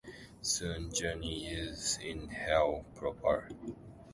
Soon, Johnny is in Hell proper.